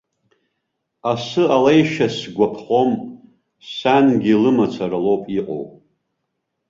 Асы алеишьа сгәаԥхом, сангьы лымацара лоуп иҟоу.